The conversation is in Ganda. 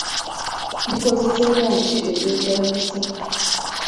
Bikozesebwa ki ebyetaagisa?